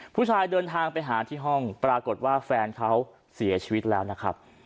ผู้ชายเดินทางไปหาที่ห้องปรากฏว่าแฟนเขาเสียชีวิตแล้วนะครับ